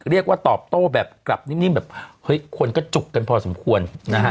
เรียกว่าตอบโต้แบบกลับนิ่มแบบเฮ้ยคนก็จุกกันพอสมควรนะฮะ